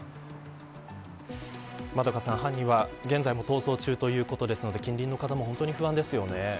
円香さん、犯人は現在も逃走中ということですので近隣の方も不安ですよね。